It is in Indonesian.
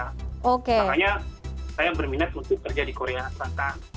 makanya saya berminat untuk kerja di korea selatan